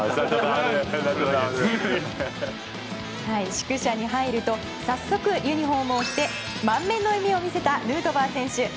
宿舎に入ると早速ユニホームを着て満面の笑みを見せたヌートバー選手。